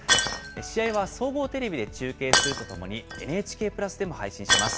試合は総合テレビで中継するとともに、ＮＨＫプラスでも配信します。